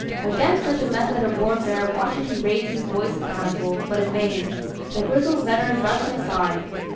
Against such a method of warfare Washington raised his voice of counsel, but in vain. The grizzled veteran brushed him aside.